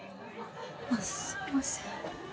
あっすいません